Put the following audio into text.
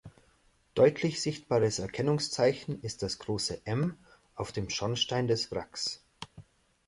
Deutlich sichtbares Erkennungszeichen ist das große „M“ auf dem Schornstein des Wracks.